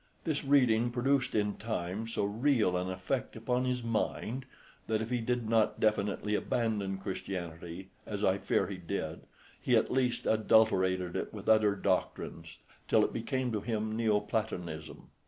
This reading produced in time so real an effect upon his mind that if he did not definitely abandon Christianity, as I fear he did, he at least adulterated it with other doctrines till it became to him Neo Platonism.